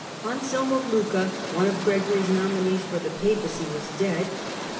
Anselm of Lucca, one of Gregory's nominees for the Papacy, was dead.